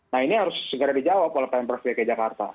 nah ini harus segera dijawab oleh pemprov dki jakarta